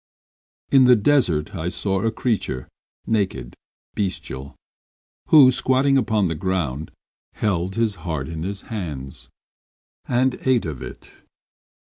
III In the desert I saw a creature, naked, bestial, who, squatting upon the ground, Held his heart in his hands, And ate of it.